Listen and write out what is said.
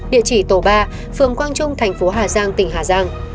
địa chỉ tổ ba phường quang trung thành phố hà giang tỉnh hà giang